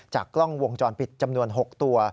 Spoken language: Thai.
กล้องวงจรปิดจำนวน๖ตัว